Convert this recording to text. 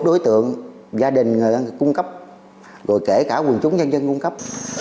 đối tượng gia đình cung cấp rồi kể cả quần chúng dân dân cung cấp